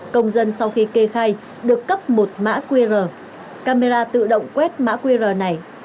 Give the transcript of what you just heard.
công dân sau khi kê khai được cấp một mã qr camera tự động quét mã qr này